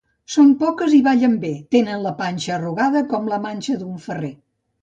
Són poques i ballen bé; tenen la panxa arrugada com la manxa d'un ferrer.